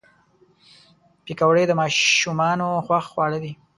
پکورې د ماشومانو خوښ خواړه دي